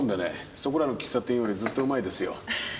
そこらの喫茶店よりずっとうまいですよ。